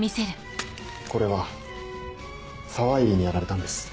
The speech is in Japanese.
これは沢入にやられたんです。